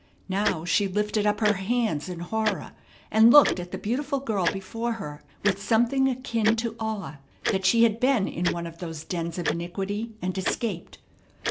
Now she lifted up her hands in horror, and looked at the beautiful girl before her with something akin to awe that she had been in one of those dens of iniquity and escaped.